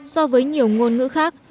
so với nhiều ngôn ngữ khác